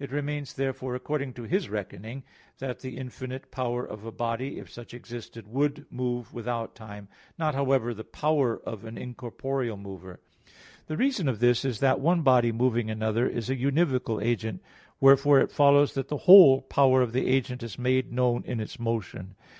It remains, therefore, according to his reckoning, that the infinite power of a body, if such existed, would move without time; not, however, the power of an incorporeal mover. The reason of this is that one body moving another is a univocal agent; wherefore it follows that the whole power of the agent is made known in its motion.